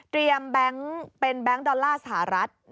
แบงค์เป็นแบงค์ดอลลาร์สหรัฐ